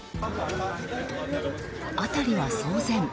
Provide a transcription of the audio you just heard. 辺りは騒然。